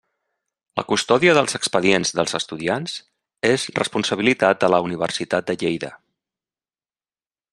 La custòdia dels expedients dels estudiants és responsabilitat de la Universitat de Lleida.